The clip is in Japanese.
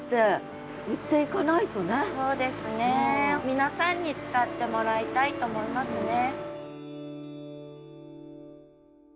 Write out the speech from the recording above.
皆さんに使ってもらいたいと思いますね。